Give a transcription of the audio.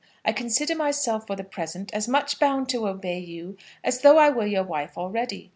I consider myself for the present as much bound to obey you as though I were your wife already.